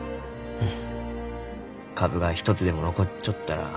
うん。